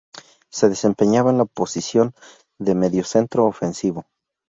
Se desempeñaba en la posición de mediocentro ofensivo.